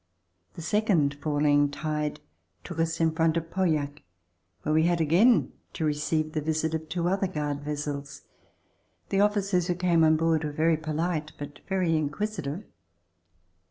The second falling tide took us in front of Pauillac. There we had again to receive the visit of two other guard vessels. The officers who came on board were very polite, but very inquisitive.